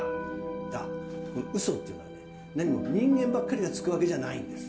ただウソってのは何も人間ばっかりがつくわけじゃないんです。